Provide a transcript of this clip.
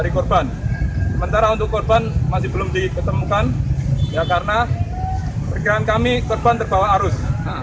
sementara untuk korban masih belum ditemukan karena pergerakan kami korban terbawa arus